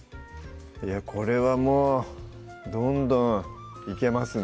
これはもうどんどんいけますね